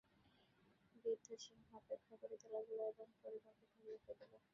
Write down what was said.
বৃদ্ধ সিংহ অপেক্ষা করিতে লাগিল এবং পরে উহাকে ধরিয়া ফেলিল।